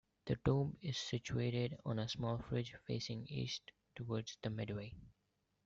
The tomb is situated on a small ridge facing east, towards the Medway.